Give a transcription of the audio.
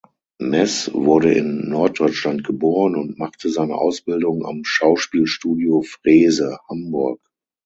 Meß wurde in Norddeutschland geboren und machte seine Ausbildung am Schauspielstudio Frese Hamburg.